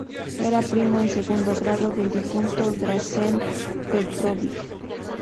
Era primo en segundo grado del difunto Dražen Petrović.